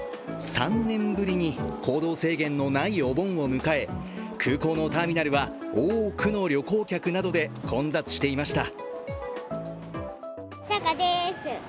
３年ぶりに行動制限のないお盆を迎え空港のターミナルは多くの旅行客などで混雑していました。